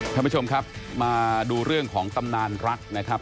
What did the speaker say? ท่านผู้ชมครับมาดูเรื่องของตำนานรักนะครับ